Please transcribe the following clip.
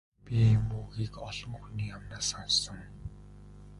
Би ийм үгийг олон хүний амнаас сонссон.